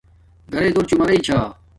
گھرݵ دور چومارݵ چھا